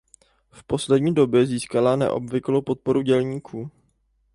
V poslední době získala neobvyklou podporu dělníků.